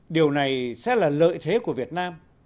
điều này sẽ là lợi thế của việt nam